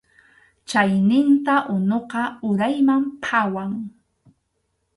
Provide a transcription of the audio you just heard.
Chayninta unuqa urayman phawan.